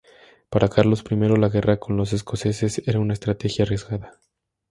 Para Carlos I la guerra con los escoceses era una estrategia arriesgada.